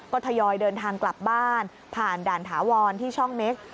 ก็ทยอยเดินทางกลับบ้านผ่านด่านถาวรที่ช่องเม็กซ์